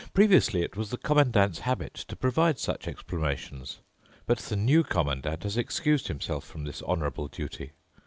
Previously it was the Commandant's habit to provide such explanations. But the New Commandant has excused himself from this honourable duty.